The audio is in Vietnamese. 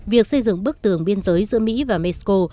việc xây dựng bức tường biên giới giữa mỹ và mexico